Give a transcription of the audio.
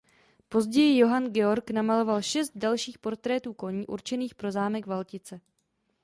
Později Johann Georg namaloval dalších šest portrétů koní určených pro zámek Valtice.